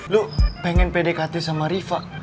lu pengen pdkt sama riva